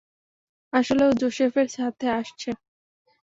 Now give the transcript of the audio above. আসলে, ও জোসেফের সাথে আসছে।